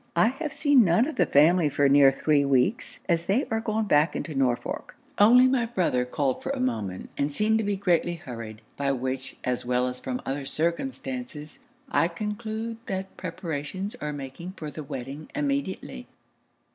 I have seen none of the family for near three weeks, as they are gone back into Norfolk; only my brother called for a moment, and seemed to be greatly hurried; by which, as well as from other circumstances, I conclude that preparations are making for the wedding immediately.'